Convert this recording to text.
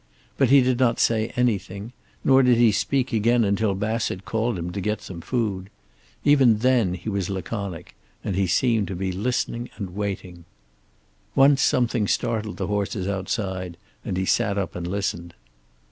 But he did not say anything, nor did he speak again until Bassett called him to get some food. Even then he was laconic, and he seemed to be listening and waiting. Once something startled the horses outside, and he sat up and listened.